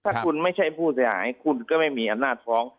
ถ้าคุณไม่ใช่ผู้เสียหายคุณก็ไม่มีอำนาจฟ้อง